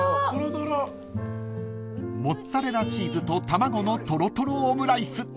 ［モッツァレラチーズと卵のとろとろオムライス］